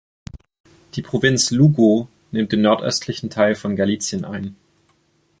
Die Provinz Lugo nimmt den nordöstlichen Teil von Galicien ein.